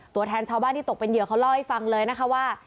ตัวแทนชาวบ้านที่ตกเป็นเหยื่อเขาเล่าให้ฟังเลยนะคะว่า